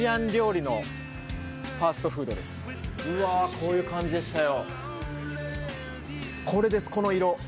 こういう感じでしたよ。